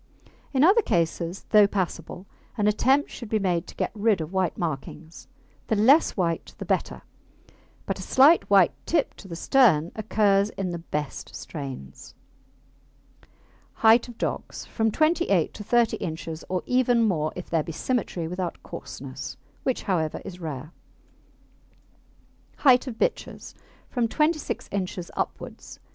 In other cases, though passable, an attempt should be made to get rid of white markings. The less white the better, but a slight white tip to the stern occurs in the best strains. HEIGHT OF DOGS From 28 inches to 30 inches, or even more if there be symmetry without coarseness, which, however, is rare. HEIGHT OF BITCHES From 26 inches upwards.